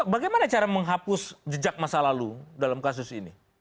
bagaimana cara menghapus jejak masa lalu dalam kasus ini